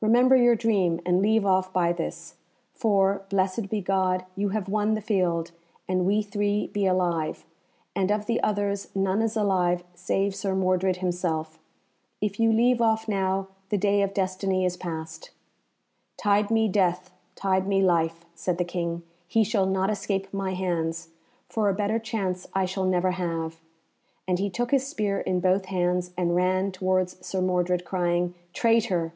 "Remember your dream, and leave off by this. For, blessed be God, you have won the field, and we three be alive, and of the others none is alive save Sir Mordred himself. If you leave off now, the day of destiny is past." "Tide me death, tide me life," said the King, "he shall not escape my hands, for a better chance I shall never have;" and he took his spear in both hands and ran towards Sir Mordred, crying, "Traitor!